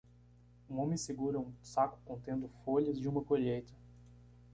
Um homem segura um saco contendo folhas de uma colheita